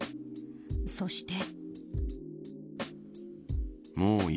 そして。